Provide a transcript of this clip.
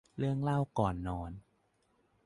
เรื่องเล่าก่อนนอน